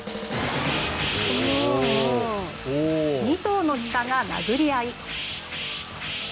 ２頭の鹿が殴り合い。